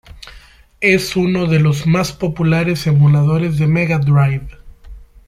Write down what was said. Es uno de los más populares emuladores de Mega Drive.